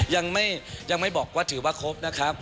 ยังไม่บอกว่าถือว่าครบนะครับ